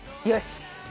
よし。